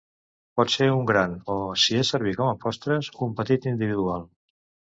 Pot ser un gran o, si és servir com a postres, un de petit individual.